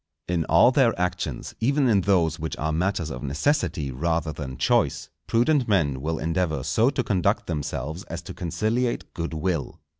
In all their actions, even in those which are matters of necessity rather than choice, prudent men will endeavour so to conduct themselves as to conciliate good will.